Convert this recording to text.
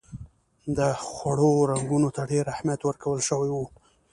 د خوړو رنګونو ته ډېر اهمیت ورکول شوی و.